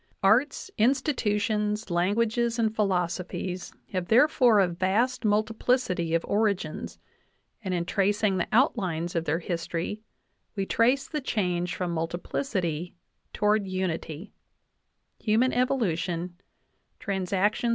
... Arts, institutions, languages, and philosophies have therefore a vast multiplicity of origins, and in tracing the outlines of their history we trace the change frpjii^jiiullipH^ky J^ (Human Evolution, Trans.